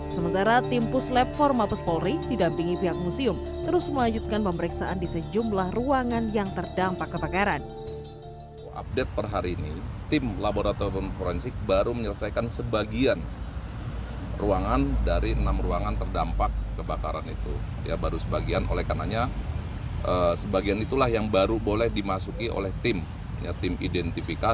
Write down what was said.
sementara tim puslep forma pespolri didampingi pihak museum terus melanjutkan pemeriksaan di sejumlah ruangan yang terdampak kebakaran